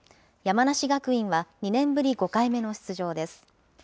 山梨学院は２年ぶり５回目の出場です。